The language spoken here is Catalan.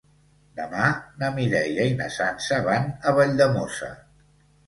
Demà na Mireia i na Sança van a Valldemossa.